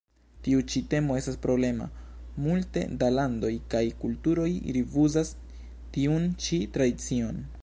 Tiu ĉi temo estas problema, multe da landoj kaj kulturoj rifuzas tiun ĉi tradicion.